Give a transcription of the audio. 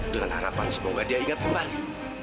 dengan harapan semoga dia ingat kembali